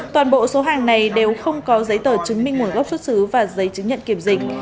toàn bộ số hàng này đều không có giấy tờ chứng minh nguồn gốc xuất xứ và giấy chứng nhận kiểm dịch